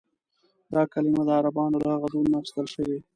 دا کلیمه د عربانو له هغه دود نه اخیستل شوې.